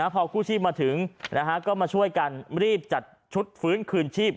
พอกู้ชีพมาถึงก็มาช่วยกันรีบจัดชุดฟื้นคืนชีพ